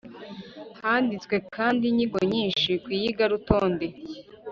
Handitswe kandi inyigo nyinshyi ku iyigarutonde,